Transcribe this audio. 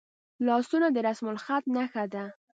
لاسونه د رسمالخط نښه ده